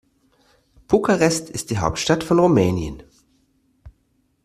Bukarest ist die Hauptstadt von Rumänien.